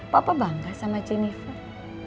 papa bangga sama jennifer